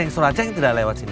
surah ceng tidak lewat sini